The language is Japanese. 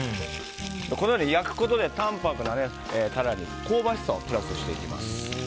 このように焼くことで淡泊なタラに香ばしさをプラスしていきます。